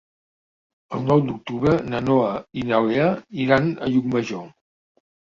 El nou d'octubre na Noa i na Lea iran a Llucmajor.